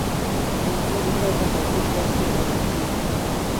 ماغزه د سر د کاسې په واسطه ساتل کېږي.